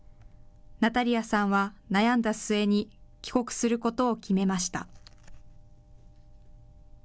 ナタリアさんは悩んだ末に、帰国することを決めました。